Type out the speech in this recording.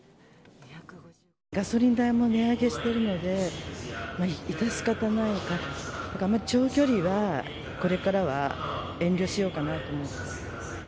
ガソリン代も値上げしてるので、致し方ないかなと、長距離はこれからは遠慮しようかなと思います。